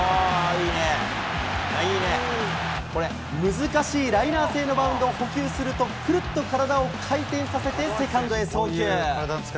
難しいライナー性のバウンドを捕球すると、くるっと体を回転させてセカンドへ送球。